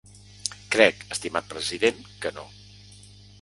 Crec, estimat president, que no.